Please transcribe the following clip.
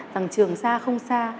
trường xa không xa